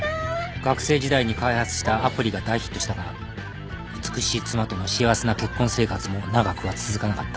学生時代に開発したアプリが大ヒットしたが美しい妻との幸せな結婚生活も長くは続かなかった。